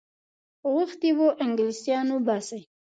غوښتي وه انګلیسیان وباسي.